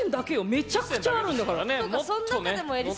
めちゃくちゃあるんだからね。